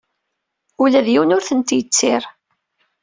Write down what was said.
Ula d yiwen ur tent-yettir.